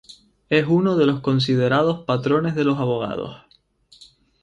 Es uno de los considerados patrones de los abogados.